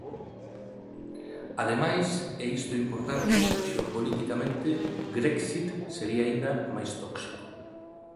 Ademais, e isto é importante, xeopoliticamente Grexit sería aínda máis tóxico.